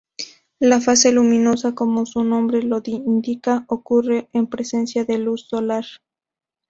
La "fase luminosa", como su nombre lo indica, ocurre en presencia de luz solar.